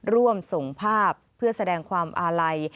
ร่วมส่งภาพเพื่อแสดงความอาลัย